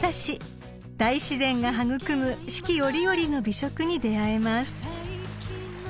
［大自然が育む四季折々の美食に出合えます］